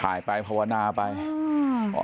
อีกขวะปุ๋เลย